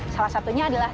salah satunya adalah